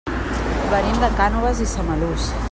Venim de Cànoves i Samalús.